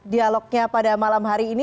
dialognya pada malam hari ini